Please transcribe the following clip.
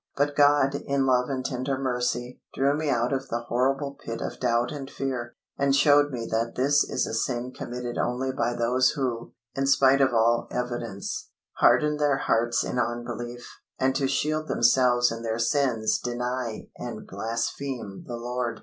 But God, in love and tender mercy, drew me out of the horrible pit of doubt and fear, and showed me that this is a sin committed only by those who, in spite of all evidence, harden their hearts in unbelief, and to shield themselves in their sins deny and blaspheme the Lord.